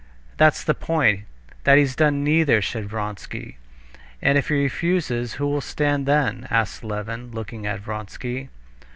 "That's the point, that he's done neither," said Vronsky. "And if he refuses, who will stand then?" asked Levin, looking at Vronsky.